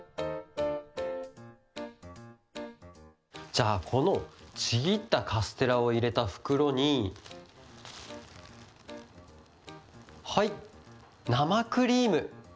じゃあこのちぎったカステラをいれたふくろにはいなまクリーム。